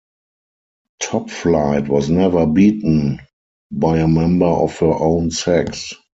Top Flight was never beaten by a member of her own sex.